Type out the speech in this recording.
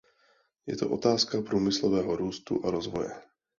Je to otázka průmyslového růstu a rozvoje.